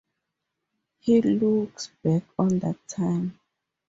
He looks back on that time.